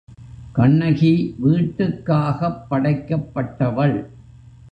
கண்ணகி வீட்டுக்காகப் படைக்கப்பட்டவள்.